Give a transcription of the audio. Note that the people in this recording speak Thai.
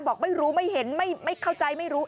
บอกไม่รู้ไม่เห็นไม่เข้าใจไม่รู้